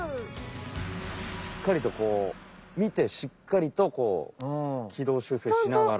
しっかりとこう見てしっかりとこう軌道修正しながら。